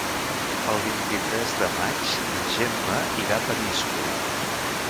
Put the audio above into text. El vint-i-tres de maig na Gemma irà a Peníscola.